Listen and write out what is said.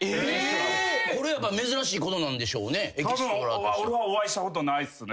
たぶん俺はお会いしたことないっすね。